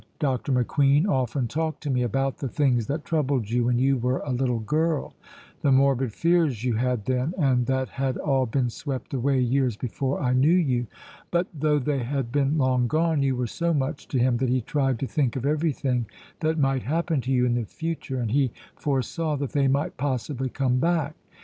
Dr. McQueen often talked to me about the things that troubled you when you were a little girl the morbid fears you had then, and that had all been swept away years before I knew you. But though they had been long gone, you were so much to him that he tried to think of everything that might happen to you in the future, and he foresaw that they might possibly come back.